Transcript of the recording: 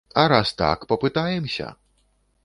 А раз так, папытаемся!